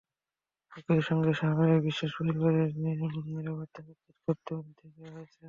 একই সঙ্গে শাহনূর বিশ্বাসের পরিবারের নিরাপত্তা নিশ্চিত করতেও নির্দেশ দেওয়া হয়েছে।